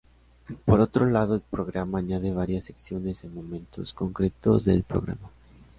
Por otro lado, el programa añade varias secciones en momentos concretos del programa.